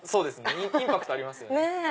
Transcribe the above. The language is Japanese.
インパクトありますよね。